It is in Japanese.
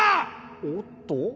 おっとぉ。